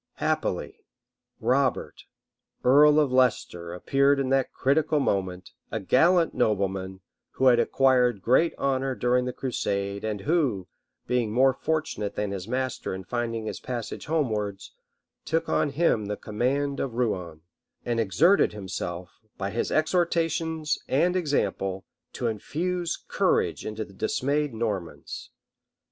Happily, Robert, earl of Leicester appeared in that critical moment, a gallant nobleman, who had acquired great honor during the crusade, and who, being more fortunate than his master in finding his passage homewards, took on him the command in Rouen, and exerted himself, by his exhortations and example, to infuse courage into the dismayed Normans.